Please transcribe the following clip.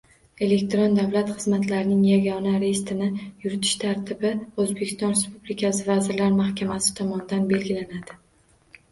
Elektron davlat xizmatlarining yagona reyestrini yuritish tartibi O‘zbekiston Respublikasi Vazirlar Mahkamasi tomonidan belgilanadi.